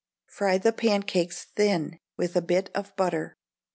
Fry the pancakes thin, with a bit of butter.